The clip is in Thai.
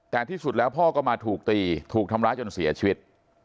แต่ที่สุดแล้วพ่อก็มาถูกตีถูกทำร้ายจนเสียชีวิต